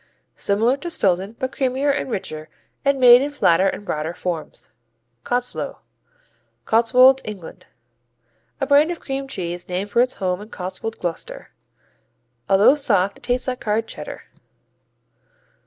Similar to Stilton but creamier and richer, and made in flatter and broader forms. Cottslowe Cotswold, England A brand of cream cheese named for its home in Cotswold, Gloucester. Although soft, it tastes like hard Cheddar.